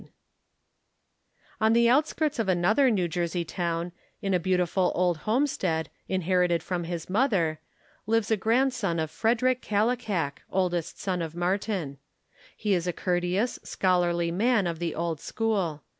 98 THE KALLIKAK FAMILY On the outskirts of another New Jersey town, in a beautiful old homestead, inherited from his mother, lives a grandson of Frederick Kallikak, oldest son of Martin. He is a courteous, scholarly man of the old school.